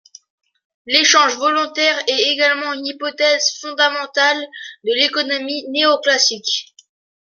L'échange volontaire est également une hypothèse fondamentale de l'économie néoclassique.